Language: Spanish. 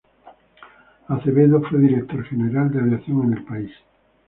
Acevedo fue director general de aviación en el país.